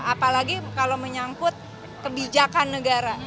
apalagi kalau menyangkut kebijakan negara